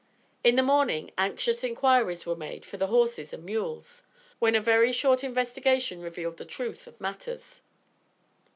In the morning, anxious inquiries were made for the horses and mules, when a very short investigation revealed the truth of matters.